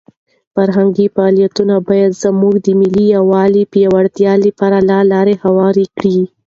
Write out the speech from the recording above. فرهنګي فعالیتونه باید زموږ د ملي یووالي د پیاوړتیا لپاره لاره هواره کړي.